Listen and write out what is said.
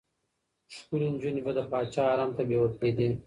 ښکلې نجونې به د پاچا حرم ته بېول کېدې.